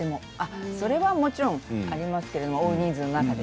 それはもちろんありますけれども大人数の中で。